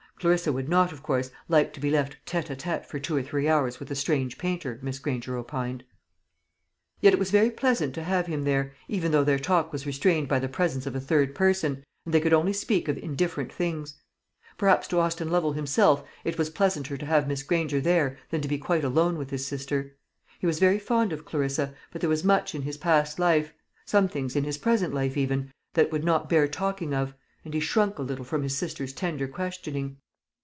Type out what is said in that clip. Clarissa would not, of course, like to be left tête à tête for two or three hours with a strange painter, Miss Granger opened. Yes, it was very pleasant to have him there, even though their talk was restrained by the presence of a third person, and they could only speak of indifferent things. Perhaps to Austin Lovel himself it was pleasanter to have Miss Granger there than to be quite alone with his sister. He was very fond of Clarissa, but there was much in his past life some things in his present life even that would not bear talking of, and he shrank a little from his sister's tender questioning.